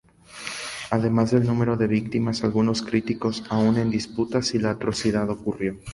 Además del número de víctimas, algunos críticos aún en disputa si la atrocidad ocurrió.